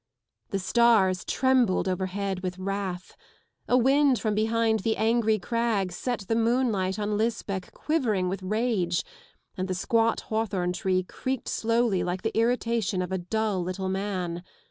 The stars trembled overhead with wrath. A wind from behind the angry crags set the moonlight on Lisbech quivering with rage, and the squat hawthorntree creaked slowly like the irritation of a dull little man.